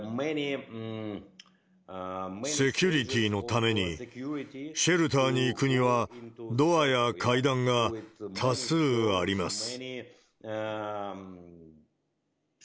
セキュリティーのために、シェルターに行くには、ドアや階段が多数あります。